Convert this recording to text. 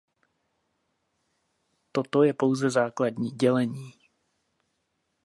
Toto je pouze základní dělení.